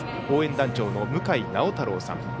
応援団長の向直太郎さん。